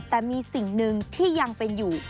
แต่มีสิ่งหนึ่งที่ยังเป็นอยู่